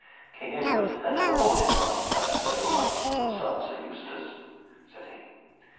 "King Edward hath ever borne in mind that noble knight your son Sir Eustace," said he.